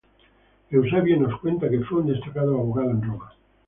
Eusebio nos cuenta que fue un destacado abogado en Roma.